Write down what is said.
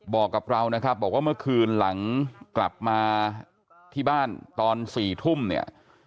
บอกกับเรานะครับบอกว่าเมื่อคืนหลังกลับมาที่บ้านตอน๔ทุ่มเนี่ย